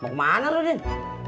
mau kemana lu din